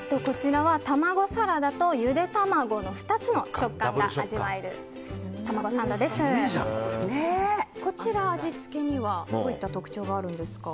玉子サラダとゆで卵の２つの食感が味わえるこちら、味付けにはどういった特徴があるんですか。